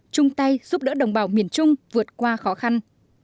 chung tay giúp đỡ đồng bào miền trung vượt qua khó khăn